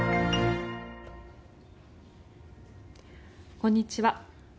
こんにちは。